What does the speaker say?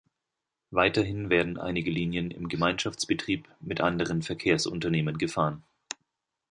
Weiterhin werden einige Linien im Gemeinschaftsbetrieb mit anderen Verkehrsunternehmen gefahren.